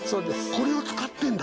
これを使ってるんだ！